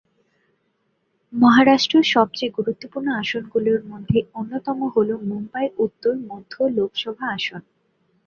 মহারাষ্ট্র সবচেয়ে গুরুত্বপূর্ণ আসনগুলির মধ্যে অন্যতম হল মুম্বাই উত্তর মধ্য লোকসভা আসন।